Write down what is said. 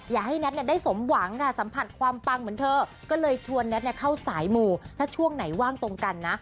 อยากให้แน็ตได้สมหวังค่ะสัมผัสความปังเหมือนเธอก็เลยชวนแท็ตเข้าสายหมู่ถ้าช่วงไหนว่างตรงกันนะ